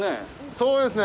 そうですね。